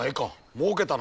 もうけたな。